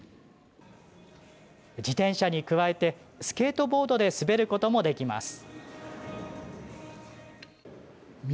自転車に加えてスケートボードで滑ることもできます。